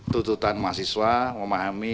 tututan mahasiswa memahami